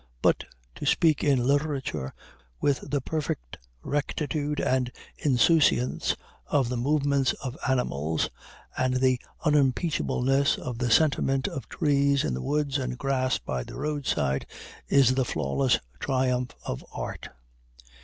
But to speak in literature with the perfect rectitude and insouciance of the movements of animals, and the unimpeachableness of the sentiment of trees in the woods and grass by the roadside, is the flawless triumph of art.